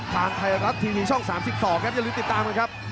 ทางไทรัสทีวีช่อง๓๒อย่าลืมติดตามกันครับ